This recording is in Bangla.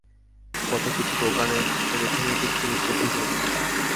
পথে কিছু দোকানে থেমে থেমে কিছু জিনিসপত্র কিনেছিলাম।